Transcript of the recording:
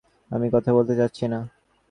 আমি কথা বলতে চাচ্ছি না।